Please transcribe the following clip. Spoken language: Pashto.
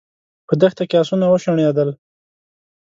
په دښته کې آسونه وشڼېدل.